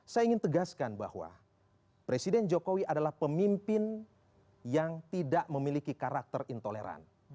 saya ingin tegaskan bahwa presiden jokowi adalah pemimpin yang tidak memiliki karakter intoleran